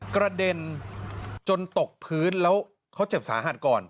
กระเด็นจนตกพื้นแล้วเขาเจ็บสาหัสก่อน